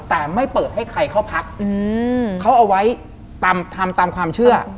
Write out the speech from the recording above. แต่ไม่เปิดให้ใครเข้าพักเขาเอาไว้ทำตามความเชื่อ